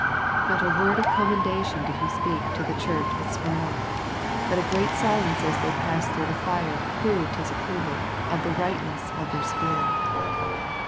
Not a word of commendation did He speak to the church in Smyrna, but a great silence as they passed through the fire proved His approval of the rightness of their spirit.